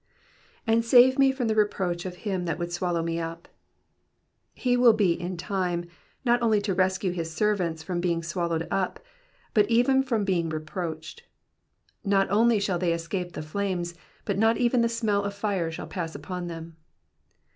^""And save me from the reproach of him that toould swaUow me t/p." He will be in time, not only to rescue his servants from being swallowed up, but even from being reproached. Not only shall they escape the flames, but not even the smell of fire shall pass upon them.